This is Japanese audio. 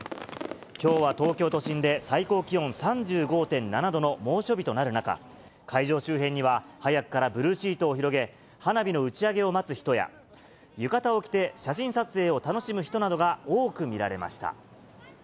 きょうは東京都心で最高気温３５．７度の猛暑日となる中、会場周辺には、早くからブルーシートを広げ、花火の打ち上げを待つ人や、浴衣を着て写真撮影を楽しむ人などが多く見られました。